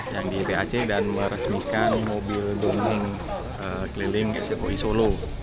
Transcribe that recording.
yang di pac dan meresmikan mobil dombung keliling sfoi solo